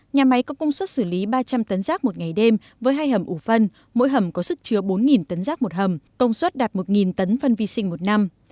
nhà máy có công suất xử lý ba trăm linh tấn rác một ngày đêm với hai hầm ủ phân mỗi hầm có sức chứa bốn tấn rác một hầm công suất đạt một tấn phân vi sinh một năm